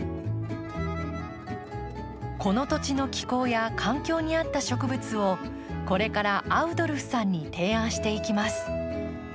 この土地の気候や環境に合った植物をこれからアウドルフさんに提案していきます。